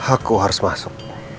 aku harus masuk